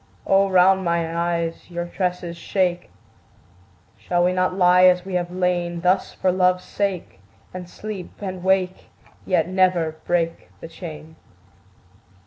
O round mine eyes your tresses shake! Shall we not lie as we have lain Thus for Love's sake, And sleep, and wake, yet never break the chain?